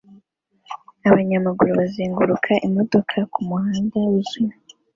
Abanyamaguru bazenguruka imodoka kumuhanda wuzuye